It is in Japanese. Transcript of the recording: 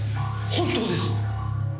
本当です！